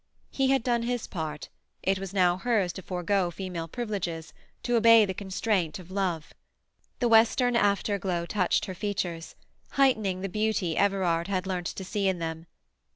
He had done his part; it was now hers to forego female privileges, to obey the constraint of love. The western afterglow touched her features, heightening the beauty Everard had learnt to see in them.